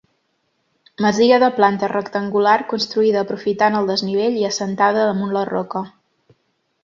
Masia de planta rectangular construïda aprofitant el desnivell i assentada damunt la roca.